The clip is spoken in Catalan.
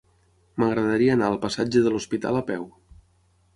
M'agradaria anar al passatge de l'Hospital a peu.